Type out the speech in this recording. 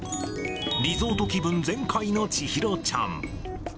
リゾート気分全開の千尋ちゃん。